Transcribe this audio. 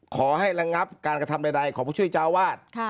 ขอให้ระงับการกระทำใดของผู้ช่วยเจ้าวาด